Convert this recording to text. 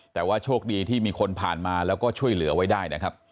แต่ว่าโชคดีที่มีคนผ่านมาแล้วก็ช่วยเหลือไว้ได้นะครับ